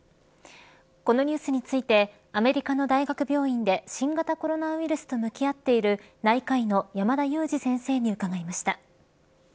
このニュースについてアメリカの大学病院で新型コロナウイルスと向き合っている内科医の山田悠史先生に伺いました。